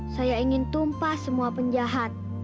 saya ingin tumpah semua penjahat